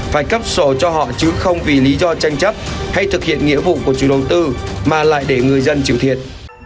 phải cấp sổ cho họ chứ không vì lý do tranh chấp hay thực hiện nghĩa vụ của chủ đầu tư mà lại để người dân chịu thiệt